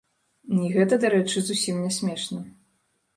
І гэта, дарэчы, зусім не смешна.